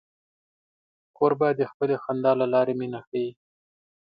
کوربه د خپلې خندا له لارې مینه ښيي.